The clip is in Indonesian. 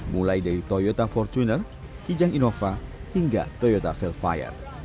mulai dari toyota fortuner kijang innova hingga toyota velfire